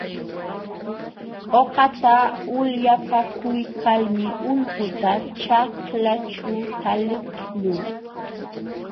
Uqata ulyapakuykalmi ulputa ćhaklaćhu taliqluu.